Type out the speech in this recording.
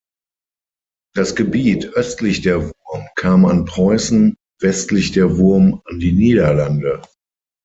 Das Gebiet östlich der Wurm kam an Preußen, westlich der Wurm an die Niederlande.